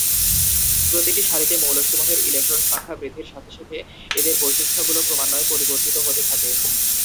প্রতিটি সারিতে মৌলসমূহের ইলেকট্রন সংখ্যা বৃদ্ধির সাথে সাথে এদের বৈশিষ্ট্যগুলো ক্রমান্বয়ে পরিবর্তিত হতে থাকে।